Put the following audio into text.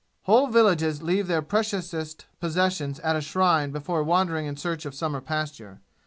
Whole villages leave their preciousest possessions at a shrine before wandering in search of summer pasture.